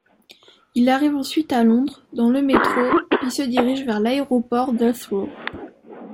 Il arrive ensuite à Londres, dans le métro puis se dirige vers l'aéroport d'Heathrow.